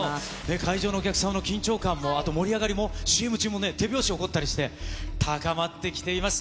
会場のお客様の緊張感も、あと盛り上がりも、ＣＭ中もね、手拍子が起こったりして、高まってきています。